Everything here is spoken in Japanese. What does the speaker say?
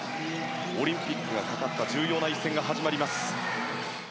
オリンピックがかかった重要な一戦が始まります！